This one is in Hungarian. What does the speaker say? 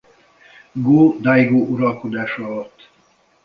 Go-Daigo uralkodása alatt.